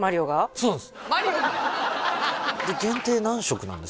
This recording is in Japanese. そうなんです